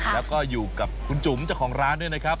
แล้วก็อยู่กับคุณจุ๋มเจ้าของร้านด้วยนะครับ